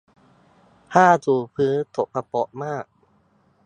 ผ้าถูพื้นสกปรกมาก